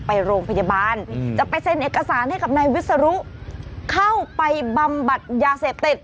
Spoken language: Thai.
ไปโรงพยาบาลจะไปเซ็นเอกสารให้กับนายวิศนุเข้าไปบำบัดยาเสพติด